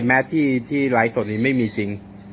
แม้ที่ไลฟ์สดนี้ไม่มีจริง